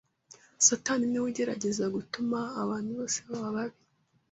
satani niweugerageza gutuma abantu bose baba babi